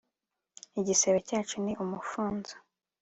igisebe cyacu ni umufunzo